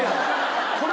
これ。